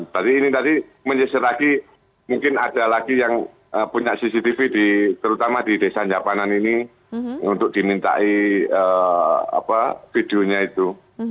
tadi ini tadi menyeser lagi mungkin ada lagi yang punya cctv terutama di desa nyapanan ini untuk dimintai videonya itu